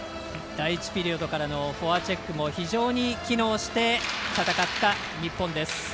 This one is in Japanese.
第１ピリオドからのフォアチェックも非常に機能して戦った日本です。